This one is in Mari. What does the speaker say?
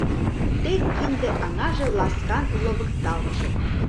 Тек кинде аҥаже Ласкан ловыкталтше.